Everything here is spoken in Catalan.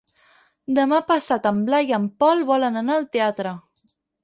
Demà passat en Blai i en Pol volen anar al teatre.